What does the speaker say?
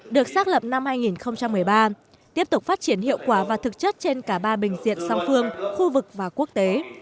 được xác lập năm hai nghìn một mươi ba tiếp tục phát triển hiệu quả và thực chất trên cả ba bình diện song phương khu vực và quốc tế